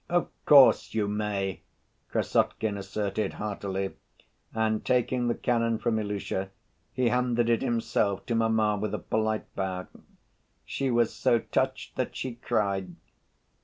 "Of course you may," Krassotkin assented heartily, and, taking the cannon from Ilusha, he handed it himself to mamma with a polite bow. She was so touched that she cried.